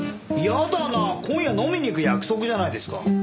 嫌だな今夜飲みに行く約束じゃないですか。